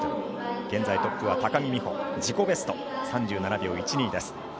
現在トップは高木美帆自己ベスト、３７秒１２です。